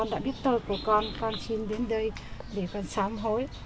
để con xám hối